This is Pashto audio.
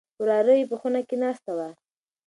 وراره يې په خونه کې ناست و.